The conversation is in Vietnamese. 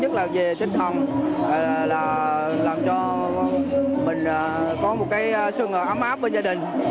nhất là về tinh thần là làm cho mình có một cái sương ngọt ấm áp với gia đình